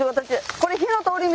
これ火の通り道